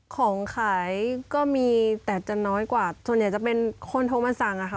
ของขายก็มีแต่จะน้อยกว่าส่วนใหญ่จะเป็นคนโทรมาสั่งอะค่ะ